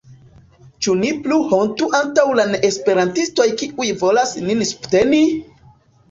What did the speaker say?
Ĉu ni plu hontu antaŭ la neesperantistoj kiuj volas nin subteni?